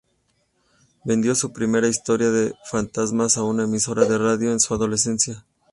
Vendió su primera historia de fantasmas a una emisora de radio en su adolescencia.